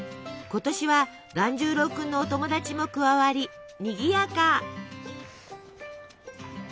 今年は團十郎くんのお友達も加わりにぎやか。